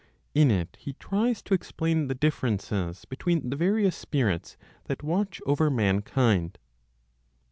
In it he tries to explain the differences between the various spirits that watch over mankind.